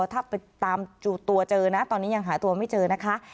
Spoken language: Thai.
ถ้าไปตามตัวเจอนะตอนนี้ยังหาตัวไม่เจอนะคะ